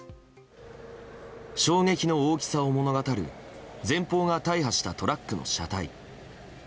衝撃の大きさを物語る前方が大破したトラックの車体。